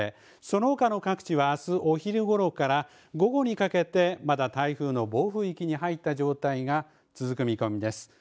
そのほかの各地はあすお昼ごろから午後にかけてまだ台風の暴風域に入った状態が続く見込みです。